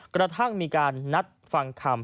กระทั่งมีการนัดฟังคำ